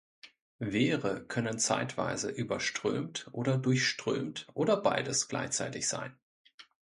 Wehre können zeitweise überströmt oder durchströmt oder beides gleichzeitig sein.